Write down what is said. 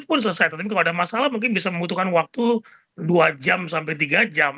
kalau tidak ada masalah mungkin bisa membutuhkan waktu dua jam sampai tiga jam